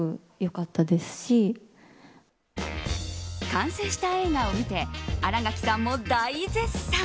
完成した映画を見て新垣さんも大絶賛。